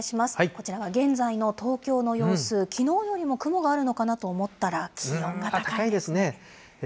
こちらは現在の東京の様子、きのうよりも雲があるのかなと思った気温が高いですね。